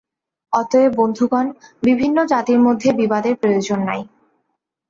অতএব বন্ধুগণ, বিভিন্ন জাতির মধ্যে বিবাদের প্রয়োজন নাই।